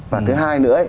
và thứ hai nữa